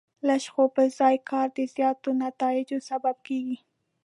لږ خو پر ځای کار د زیاتو نتایجو سبب کېږي.